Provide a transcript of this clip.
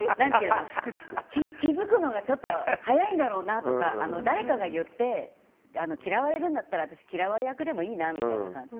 気づくのがちょっと早いんだろうなとか誰かが言って嫌われるんだったら私、嫌われ役でもいいなみたいな感じ。